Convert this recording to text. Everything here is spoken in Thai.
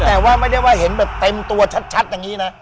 แต่ว่าไม่ได้ว่าเห็นแบบเต็มตัวชัดอย่างนี้นะ